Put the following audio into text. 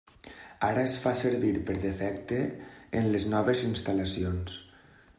Ara es fa servir per defecte en les noves instal·lacions.